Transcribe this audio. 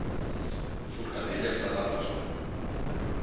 Forcadell està en la presó